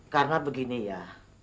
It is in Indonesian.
karena begini ya